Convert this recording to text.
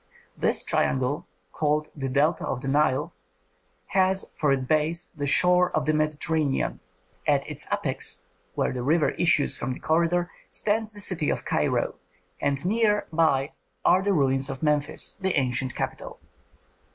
This triangle, called the Delta of the Nile, has for its base the shore of the Mediterranean; at its apex, where the river issues from the corridor, stands the city of Cairo, and near by are the ruins of Memphis, the ancient capital.